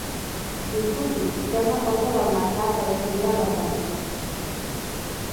Disculpi, portem la porta del mercat de la senyora Verdaguer.